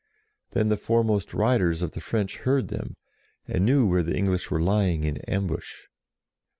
Then the foremost riders of the French heard them, and knew where the English were lying in ambush.